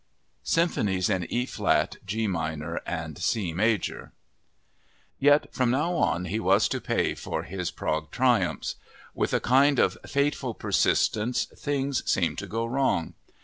Symphonies in E flat, G minor, and C major Yet from now on he was to pay for his Prague triumphs. With a kind of fateful persistence things seemed to go wrong.